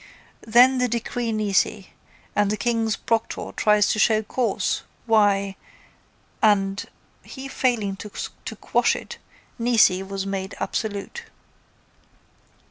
Then the decree nisi and the King's proctor tries to show cause why and, he failing to quash it, nisi was made absolute.